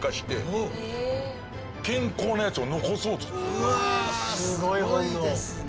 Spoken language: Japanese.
うわすごいですね。